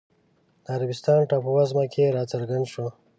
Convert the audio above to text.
د عربستان ټاپووزمه کې راڅرګند شو